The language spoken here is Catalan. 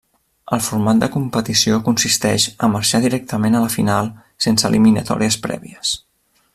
El format de competició consisteix a marxar directament a la final, sense eliminatòries prèvies.